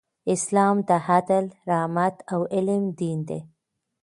اسلام د عدل، رحمت او علم دین دی.